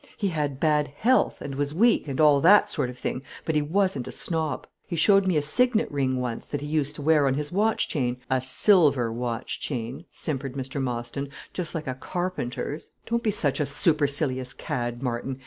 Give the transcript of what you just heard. He had bad health, and was weak, and all that sort of thing; but he wasn't a snob. He showed me a signet ring once that he used to wear on his watch chain " "A silver watch chain," simpered Mr. Mostyn, "just like a carpenter's." "Don't be such a supercilious cad, Martin.